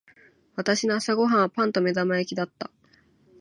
私の朝ご飯はパンと目玉焼きだった。